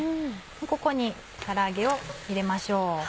ここにから揚げを入れましょう。